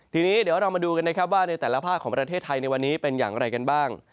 ทีนี้เดี๋ยวเรามาดูกันนะครับว่าในแต่ละภาคของประเทศไทยในวันนี้เป็นอย่างไรกันบ้าง